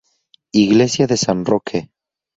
Iglesia de San Roque.